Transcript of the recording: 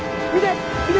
見て！